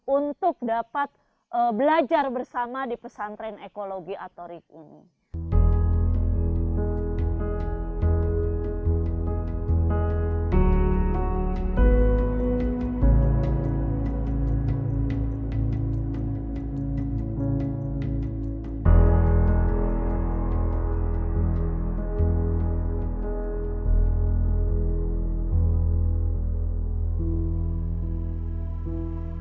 untuk dapat belajar bersama di pesantren ekologi atau rik ini